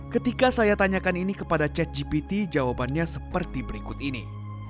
ketika saya tanyakan ini kepada chat gpt jawabannya seperti berikut ini